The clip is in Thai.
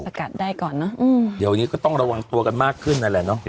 กัดได้ก่อนเนอะอืมเดี๋ยวนี้ก็ต้องระวังตัวกันมากขึ้นนั่นแหละเนอะ